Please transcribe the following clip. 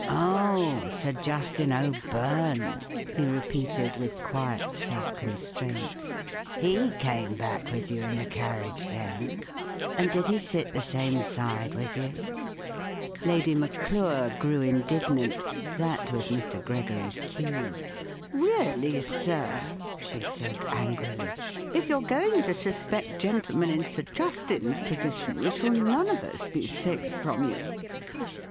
" Oh, Sir Justin O'Byrne!" he repeated, with quiet self constraint He came back with you in the carriage, then ? And did he sit the same side with you ?" Lady Maclure grew indignant (that was Mr. Gregory's cue). " Really, sir," she said, angrily, " if you're going to suspect gentle¬ men in Sir Justin's position, we shall none of us be safe from you.